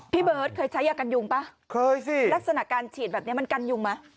พี่เบิร์ตเคยใช้ยากันยุงป่ะเคยสิลักษณะการฉีดแบบนี้มันกันยุงไหม